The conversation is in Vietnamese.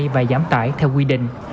và giảm tải theo quy định